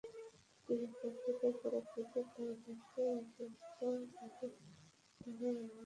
একটি হচ্ছে অসুবিধায় পড়া পুরুষের দ্বারা ধর্ষণ যে এটা ছাড়া আর যৌন সম্পর্ক স্থাপন করতে পারেন না।